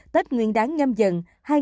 tết nguyên đáng ngâm dần hai nghìn hai mươi hai